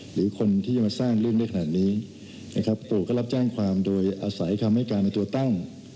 หรือคนที่จะมาสร้างเรื่องได้ขนาดนี้นะครับปู่ก็รับแจ้งความโดยอาศัยคำให้การในตัวตั้ง